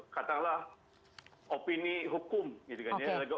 katakanlah opini hukum gitu kan ya